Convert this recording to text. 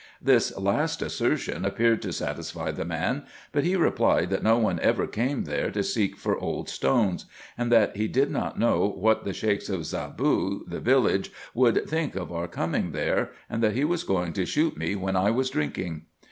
This last assertion appeared to satisfy the man ; but he replied, that no one ever came there to seek for old stones ; and that he did not know what the Sheiks of Zaboo, the village, would think of our coming there, and that he was going to shoot me when I was drinking.